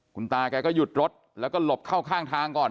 คุณตาแกก็หยุดรถแล้วก็หลบเข้าข้างทางก่อน